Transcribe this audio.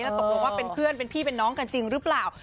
ตกลงว่าเป็นเพื่อนเป็นพี่เป็นน้องกันจริงหรือเปล่า